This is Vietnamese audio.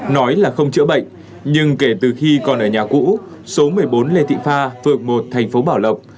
nói là không chữa bệnh nhưng kể từ khi còn ở nhà cũ số một mươi bốn lê thị pha phường một thành phố bảo lộc